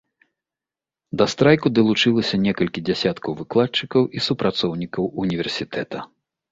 Да страйку далучылася некалькі дзясяткаў выкладчыкаў і супрацоўнікаў універсітэта.